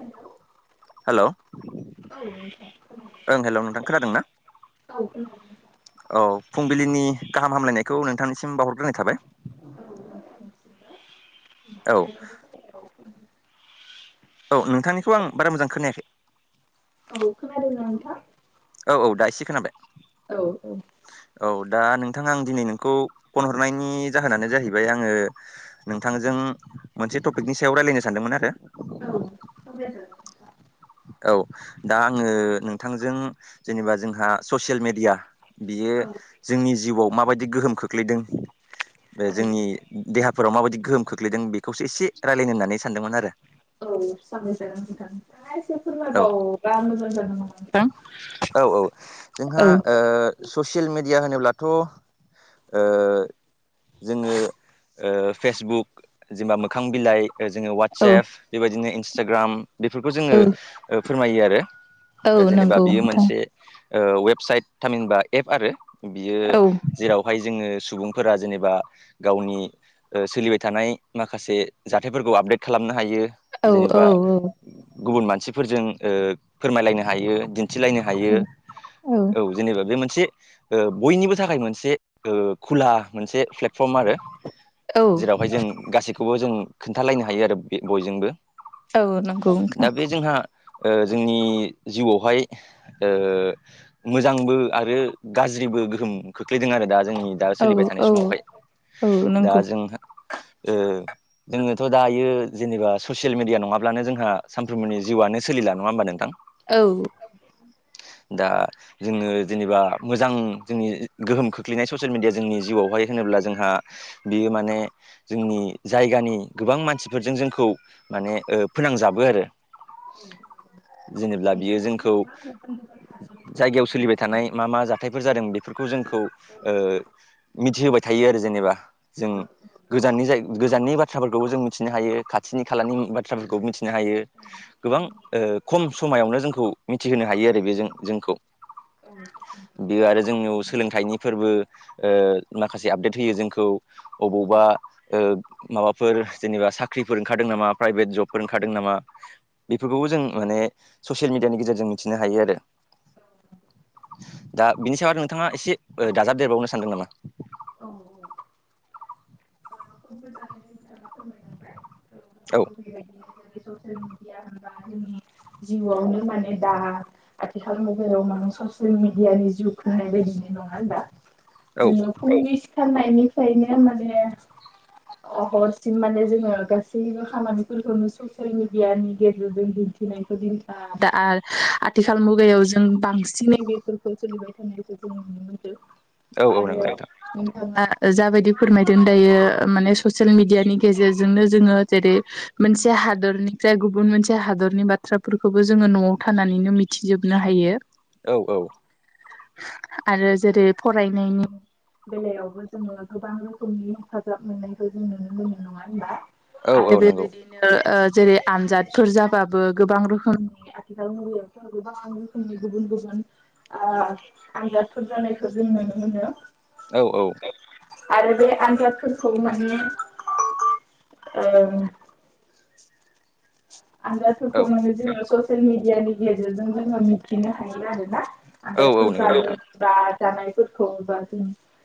Hello hello ओं hello नोंथां खोनादों ना?? औ खोनादों। औ फुंबिलिनि गाहाम हामलायनायखौ नोंथांनिसिम बावाहरग्रोनाय थाबाय। [unintelligible] औ औ नोंथांनिखौ आं बारा मोजां खोनायाखै। औ‌ खोनादों ना नोंथां? औ औ दा एसे खोनाबाय औ दा नोंथाङा आं दिनै नोंखौ फन हरनायनि जाहोनानो जाहैबाय आङो नोंथांजों मोनसे टपिकनि सायाव रायलायनो सानदोंमोन आरो। औ सावरायदो होमबा। औ दा आंङो नोंथांजों जेनेबा जोंहा ससियेल मेडिया बियो जोंनि जिउआव माबायदि गोहोम खोख्लैदों बे जोंनि देहा फोराव माबायदि गोहोम खोख्लैदों बेखौ एसे रायजलायनो होननानै सानदोंमोन आरो। औ रायलाय जागोन नोंथां। एसे औ फोरमायबावोबा मोजां जादों नामा औ औ जोंहा नोंथां औ। ओ [unintelligible] होनोब्लाथ' ओ जोंङो ओ फेसबुक जेनेबा मोखां बिलाइ जोंङो औ वाटसएप बेबायदिनो इन्सटाग्राम बेफोरखौ औ जोंङो फोरमायो आरो। औ जेनेबा नंगौ बियो नोंथां मोनसे ओ वेबसाइट थामिहिनबा एप आरो बियो औ जेरावहाय जोंङो सुबुं फोरा जेनेबा गावनि सोलिबाय थानाय माखासे जाथायफोरखौ आपडेट खालामनो हायो। औ औ जेनेबा गुबुन मानसिफोरजों ओ फोरमायलायनो हायो। मिथिलायनो हायो औ जेनेबा बे मोन से ओ बनिबो थाखाय मोनसे खुला मोनसे प्ले फर्म आरो औ जेरावहाय जों गासैखौबो जों खोन्थालायनो हायो आरो बे बयजोंबो। औ नंगौ दा नोंथां। बे जोंहा ओ जोंनि जिउआवहाय ओ मोजांबो आरो गाज ज्रिबो गोहोम खोख्लैदों आरो दा। जोंनि दा औ सोलिबाय थानाय औ समावहाय औ दा नंगौ जोंहा ओ जोंनोथ' दायो जेनेबा ससियेल मिडिया नंङाब्लानो जोंहा सानफ्रोमबोनि जिउआनो सोलिला नंङा होनबा नोंथां? औ [inaudible] दा जोंङो जेनेबा मोजां जोंनि गोहोम खोख्लैनाय ससियेल मिडिया जोंनि जिउआवहाय होनो होनोब्ला जोंहा बियो माने जोंनि जायगानि गोबां मानसिफोरजों जोंखौ माने फोनांजाबो आरो। [inaudible] जेनेब्ला बियो जोंखौ जायगायाव सोलिबाय थानाय मा मा जाथायफोर जादों बेफोरखौ जोंखौ ओ मिथिहोबाय थायो आरो जेनेबा जों गोजाननि गोजाननि बाथ थ्राफोरखोबो जों मिथिनो हायो खाथिनि खालानि बाथ्राफोरखौबो मिथिनो हायो गोबां ओ ख खम समायावनो जोंखौ मिथिहोनो हायो आरो बे जों जोंखौ। बेयो आरो जोंनियाव सोलोंथाइनि फोरबो ओ माखासे आपडेट होयो जोंखौ अबवबा ओ माबाफोर जेनेबा साख्रिफोर ओंखारदों नामा प्राइभेट जबफोर ओंखारदों नामा बेफोरखौबो जों माने ससियेल मिडियानि गेजेरजों मिथिनो हायो आरो। दा बिनि सायाव नोंथांङा एसे दाजाबदेरबावनो सानदों नामा? औ [unintelligible] औ [inaudible] [unintelligible] जिउआवनो माने दा आथिखाल मबाइलाव माने ससियेल मिडियानि जिउ खोननाय बायदि नङा होनबा औ सिखारनायनिफ्रायनो माने हरसिम माने जोङो गासैबो खामानिफोरखौनो ससियेल मिडियानि गेजेरजों दि खा दा आथिखाल मुगायाव जों बांसिनै बेफोरखौ सोलिबाय थानाय जों नुनो मोनदों औ - औ नंगौ नोंथां नोंथांङा जाबायदि फोरमायदों दायो माने ससियेल मिडियानि गेजेरजोंनो जोंङो जेरै मोनसे हादरनिफ्राय गुबुन मोनसे हादरनि बाथ्राफोरखौबो जोङो न'आव थानानैनो मिथिजोब नो हायो औ औ आरो जेरै फरायनायनि बेलायावबो जोङो गोबां रोखोमनि हेफाजाब मोननायखौ जों नुनो मोनो नङा होनबा औ आरो औ नंगौ बेबायदिनो ओ जेरै आनजादफोर जाबाबो गोबां रोखोमनि रोखोमनि गुबुन गुबुन ओ आनजादफोर जानायखौ जों नुनो मोनो औ औ आरो बे आनजादफोरखौ माने ओ लांदां आनजादफोरखौ माने जोङो ससियेल मिडियानि गेजेरजों जोङो मिथिनो हायो आरो औ आनजादफोर औ नंगौ जायो नोंथां बा जानायफोरखौ बा जों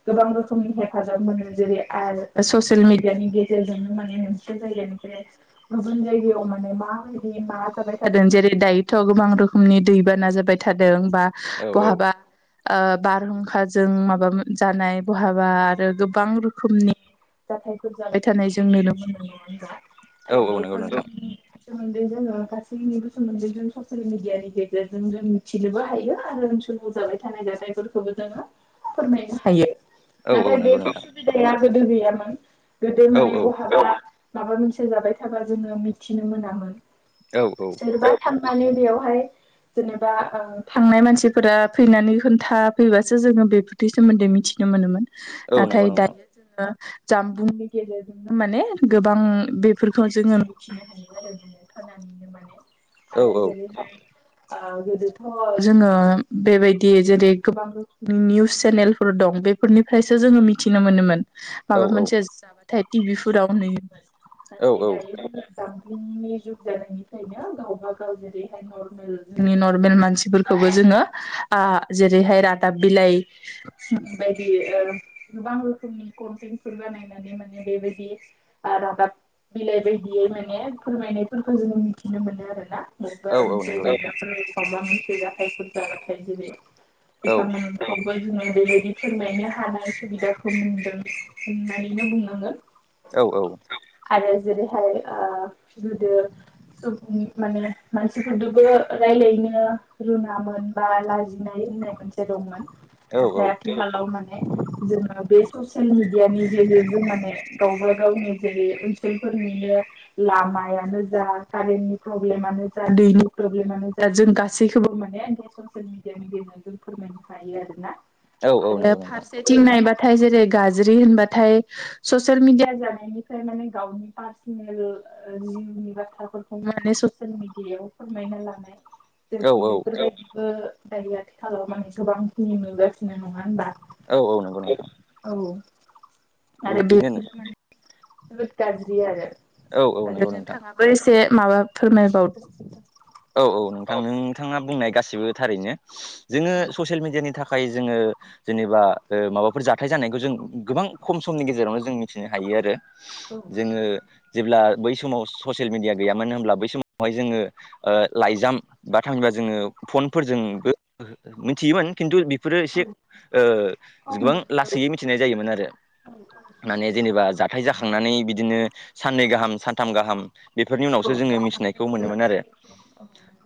गोबां रोखोमनि हेफाजाब मोनो जेरै आरो ससियेल मिडियानि गेजेरजोंनो माने मोनसे जायो गुबुन जायगायाव माने माबायदि मा जाबाय थादों जेरै दायोथ' गोबां रोखोमनि दै बाना जाबाय थादों बा औ औ बहाबा ओ बारहुंखाजों माबा जानाय बहाबा आरो गोबां रोखोमनि जाथायफोर जाबाय थानाय जों नुनो मोनो नङा होनबा औ आरो औ नंगौ बेफोर नोंथां जोंनि सोमोन्दै जोङो गासैनिबो सोमोन्दै जों ससियेल मिडियानि गेजेरजों जों मिथिनोबो हायो आरो जाबाय थानाय जाथायफोरखौबो जोङो फोरमायनो हायो औ औ नाथाय बे नंगौ नोंथां उसुबिदाया गोदो गैयामोन गोदो औ माने औ बहाबा माबा मोनसे जाबाय थाबा जोङो मिथिनो मोनामोन औ औ माने बेवहाय जेनेबा थांनाय मानसिफोरा फैनानै खोन्था फैबासो जोङो बेफोरनि सोमोन्दै मि- थिनो मोनोमोन औ नंगौ नाथाय नोंथां दायो जोङो जानबुंनि गेजेरजोंनो माने गोबां बेफोरखौ जोङो मिथिनो हायो आरो खोनानो मोनो नो माने औ आरो औ जेरैहाय ओ गोदोथ' जोङो बेबायदि जेरै गोबां रोखोमनि निउस चेनेल फोर दं बेफोरनिफ्रायो जोङो मिथिनो मोन औ माबा मोनसे जाबाथाय नाथाय टिभि फोराव नुयोमोन औ नाथाय दायो जानबुंनि जुग जानायनिफायनो गावबा गाव जेरैहाय नर्मेल मानसिफोरखौ जोङो जेरैहाय रादाब बिलाइ बायदि गोबां रोखोमनि कनटेन्टफोर बानायनानै माने बेबायदि रादाब बिलाइ बायदियै माने फोरमायनायफोरखौ जोङो मिथिनो मोनो आरो ना औ औ नंगौ नोंथां औ [unintelligible] [unintelligible] बेबायदि फोरमायनो हानाय सुबिदाखौ मोनदों होननानैनो बुंनांगोन औ औ आरो जेरैहाय गोदो सुबुं माने मानसिफोरदोबो रायलायनो रोङामोन बा लाजिनाय होननाय मोनसे दंमोन औ नाथाय आथिखालाव माने जोङो बे ससियेल मिडियानि गेजेरजों माने गावबा गावनि जेरै ओनसोलफोरनिनो लामायानो जा कारेन्टनि प्रब्लेमा जा दैनि प्रब्लेमानो जा जों गासैखौबो माने बे ससियेल मिडियानि गेजेरजों फोरमायनो हायो। आरोना औ औ आरो नंगौ नोंथां फारसेथिं नायबा थाय जेरै गाज्रि होनबाथाय ससियेल मिडिया जानायनिफ्राय माने गावनि पार्सनेल जिउनि बाथ्राफोरखौ माने ससियेल मिडियायाव फोरमायना लानाय जे औ बेफोरबायदिखो दायो आथिखालाव माने गोबांसिन नुगासिनो नंङा होनबा? औ औ नंगौ नोंथां। औ आरो बेनो बेफोर माने जोबोद गाज्रि आरो। औ नंगौ आरो नोंथां नोंथांङाबो एसे माबा फोरमायबावदो नोंथां। औ औ नोंथां नोंथाङा बुंनाय गासिबो थारैनो जोङो ससियेल मिडियानि था खाय जोङो जेनेबा माबाफोर जाथाय जानायखौ जों गोबां खम समनि गेजेरावनो जों मिथिनो हायो आरो। जोङो जेब्ला बै समाव ससियेल मिडिया गैयामानो होमब्ला बै समावहाय जोङो ओ लाइजाम बा थांबा जोङो फनफोरजोंबो मिथियोमोन खिन्थु बेफोरो एसे ओ गोबां लासैयै मिथिनाय जायोमोन आरो। माने जेनेबा जाथाय जाखांनानै बिदिनो साननै गाहाम सानथाम गाहाम बेफोरनि उनावसो जोङो मिथिनायखौ मोनोमोन आरो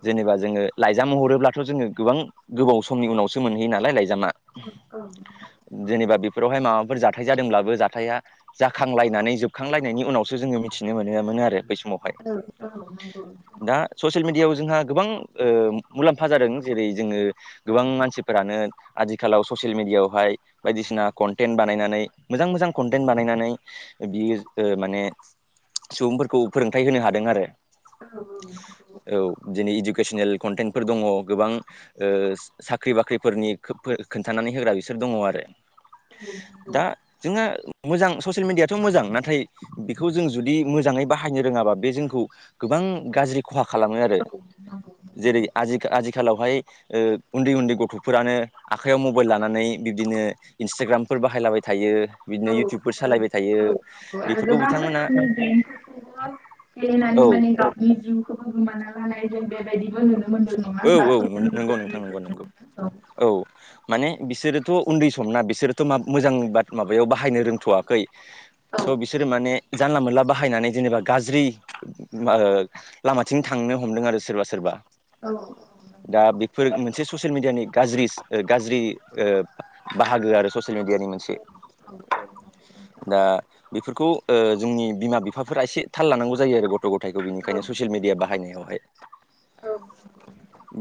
जेनेबा जोङो लाइ जाम हरोब्लाथ' जोङो गोबां गोबाव समनि उनावसो मोनहैयो नालाय लाइ जामा जेनबा बेफोरावहाय माबाफोर जाथाय जादोंब्लाबो जाथाया जाखांलायनानै जोबखांलायनायनि उनावसो जोङो मिथिनो मोनोमोन। न आरो समावहाय औ औ नोंगौ। मिडियाआव जोंहा गोबां ओ मुलाम्फा जादों जेरै जोङो गोबां मानसिफोरानो आथि खालाव ससियेल मिडियाआवहाय बायदिसिना कनटेन्ट बानायनानै मोजां मोजां कनटेन्ट बानायनानै बियो ओ माने सुबुंफोरखौ फोरोंथाइ होनो हादों आरो। औ औ औ। औ दिनि इडुकेसनेल कन्टेन्टफोर दंङ गोबां ओ साख्रि बाख्रिफोरनि खोन्थानानै होग्रा बिसोर दंङ आरो दा जोंङो मोजां ससियेल मिडियाथ' मोजां नाथाय बेखौ जों जुदि मोजाङै बाहायनो रोङाबा बे जोंखौ गो गोबां गाज्रि खहा खालामो आरो जेरै आजि आजिखालावहाय उन्दै उन्दै गथ'फोरानो आखाइयाव मबाइल लानानै बिब्दिनो इन्सटाग्रामफोर बाहायलाबाय थायो बिदिनो इउटुबफोर सालायबाय थायो बेफोरखौ बिथांमोना [unintelligible] गेलेनानै औ माने गावनि जिउखौबो गोमा लानाय जों बेबायदिबो नुनो औ औ नुनो नंगौ नोंथां नंगौ नंगौ औ माने बिसोरोथ' उन्दै समना बिसोरोथ' मा मोजां बाद माबायाव बाहायनो रोंथवाखै स' बिसोरो माने जानला मोनला बाहायनानै जेनेबा गाज्रि ओ लामाथिं थांनो हमदों आरो सोरबा सोरबा। दा बेफोर मोनसे ससियेल मिडियानि गाज्रि ओ गाज्रि ओ बाहागो आरो ससियेल मिडियानि मोनसे। [inaudible] [inaudible] दा बेफोरखौ ओ जोंनि बिमा बिफाफोरा एसे थाल लानांगौ जायो आरो गथ' गथायखौ बिनिखायनो ससियेल मे या बाहायनायावहाय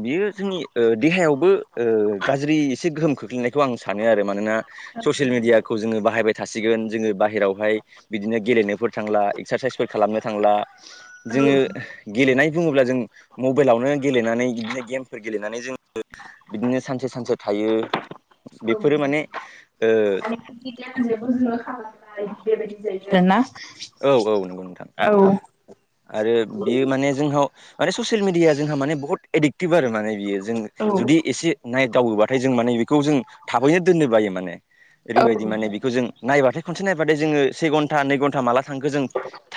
बियो जोंनि ओ देहायावबो ओ गाज्रि एसे गोहोम खोख्लैनायखौ आं सा नो आरो मानोना ससियेल मिडियाखौ जोङो बाहायबाय थासिगोन जोङो बाहेरायावहाय बिदिनो गेलेनोफोर थांला एकस्रासाइस फोर खालामनो थांला जोंङो गेलेनाय बुंङोब्ला जों मबाइलावनो गेले नानै बिदिनो गेमफोर गेलेनानै जों बिदिनो सानसे सानसे थायो बेफोरो माने [unintelligible] औ औ नंगौ नोंथां। आरो बियो माने जोंहाव माने ससियेल मिडिया जोंहा माने बहुत एडिक्टिभ आरो माने बियो जों जुदि एसे नायदावोबाथाय जों माने बेखौ जों थाबैनो दोननो बायो माने। ओरैबायदि माने बेखौ जों नायबाथाय खनसे नायबा जोङो से घटा नै घन्टा माला थांखो जों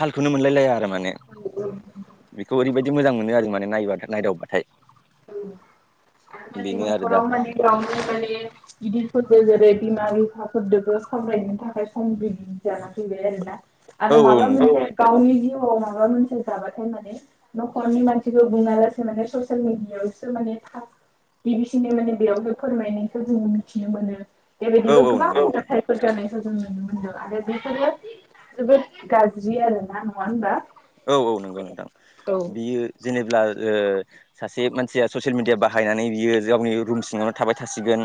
थालखौनो मोनलायलाया आरो माने। बेखौ ओरैबायदि मोजां मोनो आरो माने नायबा नायदावबाथाय। बिनो आरो दा। गामिफ्रावनो दायो गिदिरफोरजों जेरै- बिमा बिफाफोरदोबो सावरायनो थाखाय सम जाना फैबाय आरोना औ आरो माब्ला मोनसे गावनि जिउ आव माबा मोनसे जाबाथाय माने न'खरनि मानसिखौ बुङालासे माने ससियेल मिडियाआवसो माने बि बिसिनो माने बेयावनो फोरमायनायखौ जोङो मिथिनो मोनो औ बेबायदिबो औ गोबां नंगौ नोंथां जाथायफोर जानाय खौ जों नुनो मोनदों आरो बेफोरो जोबोद गाज्रि आरोना नङा होनबा? औ औ नंगौ नोंथां बियो जेनेब्ला ओ सासे मानसिया ससियेल मिडिया बाहायनानै बियो गावनि रुम सिङावनो थाबाय थासिगोन।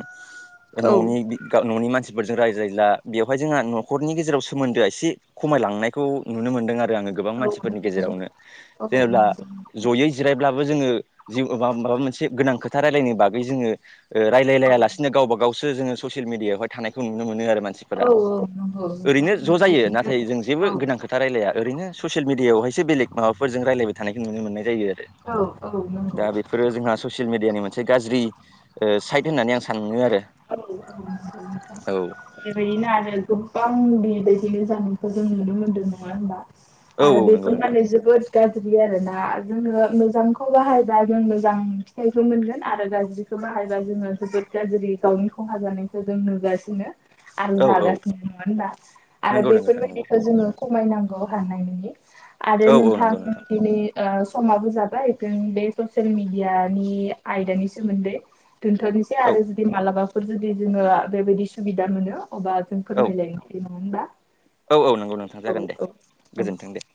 औ न'नि बि न'नि मानसि ‌ फोरजों रायज्लायला बेवहाय जोंहा न'खरनि गेजेराव सोमोन्दोआ एसे खमायलांनायखौ नुनो मोनदों आ आरो आङो गोबां मानसिफोरनि गेजेरावनो जेनेब्ला जयै जिरायब्लाबो जोङो जि माबा मोनसे गोनां खोथा रायलायनो बागै जोङो ओ रायजलायसिनो गावबा गाव सो जोङो ससियेल मिडियायावहाय थानायखौ नु मोन आरो। मानसिफोरा ओरैनो ज' जायो नाथाय जों जेबो गोनां खोथा रायलाया आरैनो ससियेल मिडियाआववहायो बेलेग माबाफोरजों रायलायबाय थानायखौ नुनो मोननाय जायो आ रो दा बेफोरो जोंहा ससियेल मिडियानि मोन से गाज्रि ओ साइद होननानै आं सानो आरो। औ औ औ नोंथां औ जेरै- ना गोबां बि दनि जानायखौ जों नुनो मोन्दों नङा होनबा औ आरो औ नंगौ बेखौ नोंथां माने जोबोद गाज्रि आरोना जोङो मोजांखौ बाहायबा जों मोजां फिथाइखौ मोनगोन आरो गाज्रि बाहायबा जोङो जोबोद गाज्रि गावनि खहा जानायखौ जों नुगासिनो। आरो औ औ जागासिनो नङा होनबा आरो नंगौ नंगौ नोंथां नंगौ बेफोरबायदिखौ जोङो खमायनांगौ हानायनि। आरो औ औ नोंथां नंगौ दिनै ओ समाबो जाबाय जों बे ससियेल मिडियानि आयदानि सोमोन्दै। दोनथ'नोसै औ आरो जुदि मालाबाफोर जुदि जोङो बेबायदि सुबिदा मोनो। अबा जों औ फोरमायलायनोसै नङा होनबा। औ औ नंगौ नोंथां जागोन दे गोजोन्थों दे।